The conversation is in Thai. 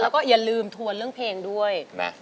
แล้วก็อย่าลืมทวนเรื่องเพลงด้วยนะ